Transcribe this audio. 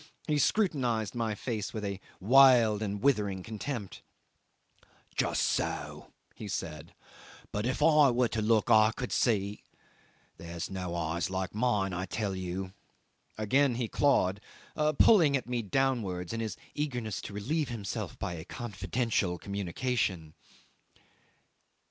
He scrutinised my face with wild and withering contempt. "Just so," he said, "but if I were to look I could see there's no eyes like mine, I tell you." Again he clawed, pulling at me downwards in his eagerness to relieve himself by a confidential communication.